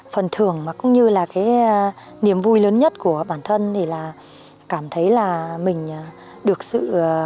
phần thường cũng như là cái niềm vui lớn nhất của bản thân thì là cảm thấy là mình được sự